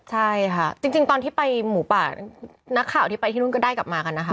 ใช่ค่ะจริงตอนที่ไปหมูป่านักข่าวที่ไปที่นู่นก็ได้กลับมากันนะคะ